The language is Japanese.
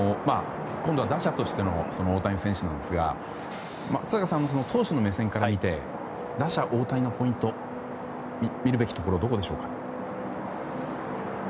今度は打者としての大谷選手なんですが松坂さんの投手の目線から見て打者・大谷のポイント見るべきところはどこでしょうか。